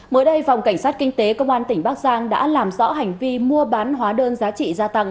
mới đây phòng cảnh sát kinh tế công an tỉnh bắc giang đã làm rõ hành vi mua bán hóa đơn giá trị gia tăng